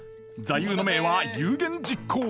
座右の銘は「有言実行」。